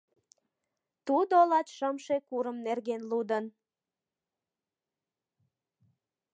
Тудо латшымше курым нерген лудын.